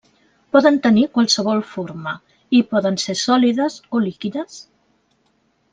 Poden tenir qualsevol forma i poden ser sòlides o líquides.